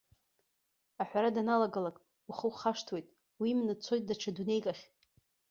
Аҳәара данналагалак, ухы ухашҭуеит, уиманы дцоит даҽа дунеик ахь.